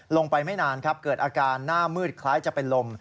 ไม่นานครับเกิดอาการหน้ามืดคล้ายจะเป็นลม